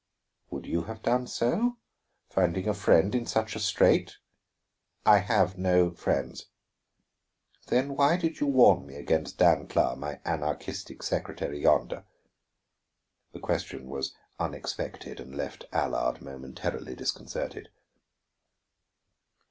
"Would you have done so, finding a friend in such a strait?" "I have no friends." "Then why did you warn me against Dancla, my anarchistic secretary yonder?" The question was unexpected, and left Allard momentarily disconcerted.